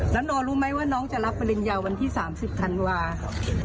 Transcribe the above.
แล้วโนรู้ไหมว่าน้องจะรับเวริญเยาว์วันที่๓๐ธันวาคม